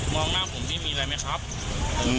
เขาเล่าบอกว่าเขากับเพื่อนเนี่ยที่เรียนปลูกแดงใช่ไหม